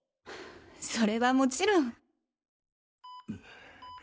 それはもちろん。